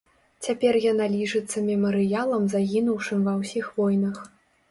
Цяпер яна лічыцца мемарыялам загінуўшым ва ўсіх войнах.